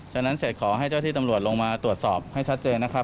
ฉะนั้นเสร็จขอให้เจ้าที่ตำรวจลงมาตรวจสอบให้ชัดเจนนะครับ